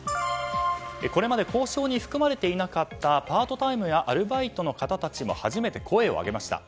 これまで交渉に含まれていなかったパートタイムやアルバイトの方たちも初めて声を上げました。